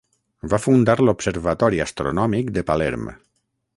Va fundar l'observatori astronòmic de Palerm.